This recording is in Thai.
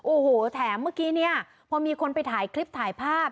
โอ้โหแถมเมื่อกี้เนี่ยพอมีคนไปถ่ายคลิปถ่ายภาพ